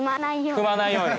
踏まないように！